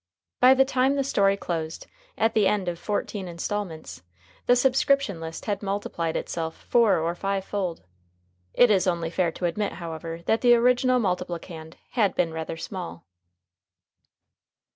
By the time the story closed, at the end of fourteen instalments, the subscription list had multiplied itself four or five fold. It is only fair to admit, however, that the original multiplicand had been rather small.